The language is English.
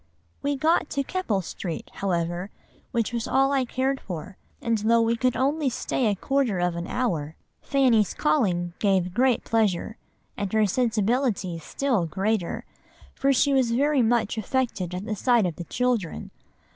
"We got to Keppel Street, however, which was all I cared for, and though we could only stay a quarter of an hour, Fanny's calling gave great pleasure, and her sensibility still greater; for she was very much affected at the sight of the children.